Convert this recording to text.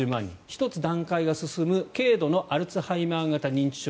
１つ段階が進む軽度のアルツハイマー型認知症